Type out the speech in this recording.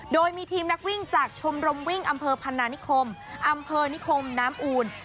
โดยมีทีมนักวิ่งจากชมรมวิ่งอำเภอพนานิคมอำเภอนิคมน้ำอูล